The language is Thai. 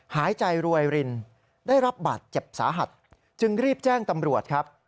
หายใจรวยรินได้รับบาดเจ็บสาหัสจึงรีบแจ้งตำรวจครับ